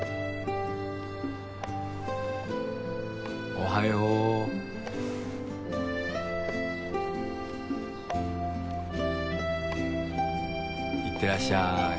おはよう。いってらっしゃい。